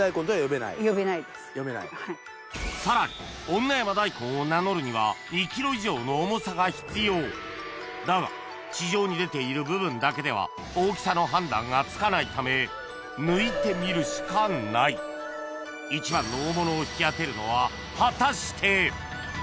さらに女山大根を名乗るにはだが地上に出ている部分だけでは大きさの判断がつかないため抜いてみるしかない一番の果たして？